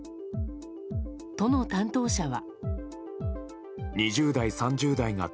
都の担当者は。